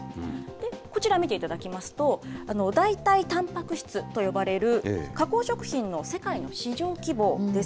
こちら見ていただきますと、代替たんぱく質と呼ばれる加工食品の世界の市場規模です。